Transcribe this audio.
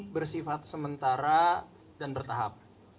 bersifat sementara dan bertahap